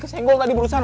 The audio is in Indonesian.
kesenggol tadi barusan